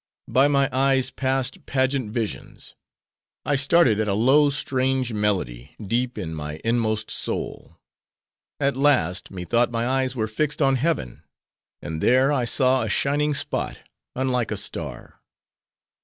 By my eyes passed pageant visions. I started at a low, strange melody, deep in my inmost soul. At last, methought my eyes were fixed on heaven; and there, I saw a shining spot, unlike a star.